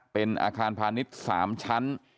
เป็นอาคารพาณิชย์๓ชั้น